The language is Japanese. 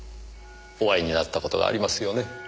お会いになったことがありますよね？